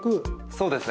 そうですね。